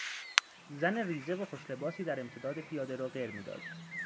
زن ریزه و خوش لباسی در امتداد پیاده رو قر میداد.